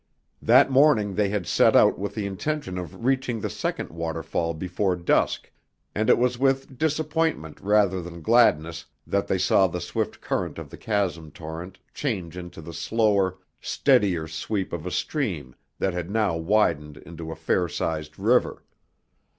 That morning they had set out with the intention of reaching the second waterfall before dusk, and it was with disappointment rather than gladness that they saw the swift current of the chasm torrent change into the slower, steadier sweep of a stream that had now widened into a fair sized river.